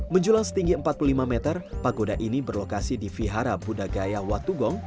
menjulang setinggi empat puluh lima meter pagoda ini berlokasi di vihara budagaya watugong